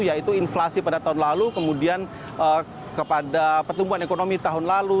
yaitu inflasi pada tahun lalu kemudian kepada pertumbuhan ekonomi tahun lalu